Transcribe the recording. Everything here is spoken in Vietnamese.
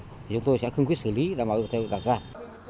thì chúng tôi sẽ khứng quyết xử lý để đảm bảo yêu cầu đảm bảo yêu cầu